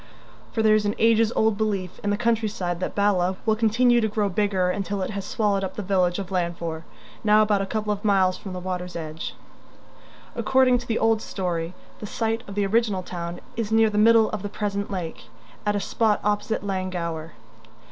_" For there is an ages old belief in the countryside that Bala will continue to grow bigger until it has swallowed up the village of Llanfor, now about a couple of miles from the water's edge. According to the old story the site of the original town is near the middle of the present lake, at a spot opposite Llangower.